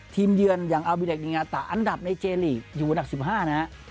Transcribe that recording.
ทีมเยือนอย่างอัลบิเดกนิงาตาอันดับในเจรีย์ลีกยูวันอันดับ๑๕นะฮะ